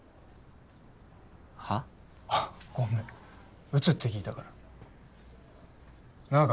はっ？あっごめん鬱って聞いたからなあ？